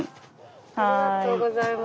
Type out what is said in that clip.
ありがとうございます。